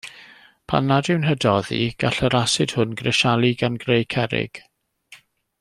Pan nad yw'n hydoddi, gall yr asid hwn grisialu gan greu cerrig.